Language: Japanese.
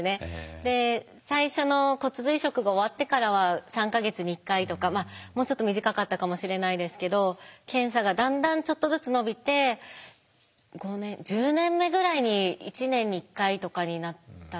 で最初の骨髄移植が終わってからは３か月に１回とかもうちょっと短かったかもしれないですけど検査がだんだんちょっとずつ延びて５年１０年目ぐらいに１年に１回とかになったのかな確か。